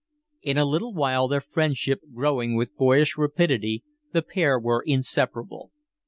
In a little while, their friendship growing with boyish rapidity, the pair were inseparable.